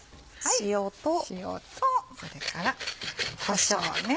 塩とそれからこしょう。